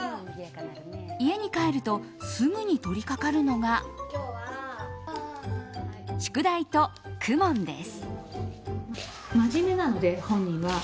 家に帰るとすぐに取りかかるのが宿題と公文です。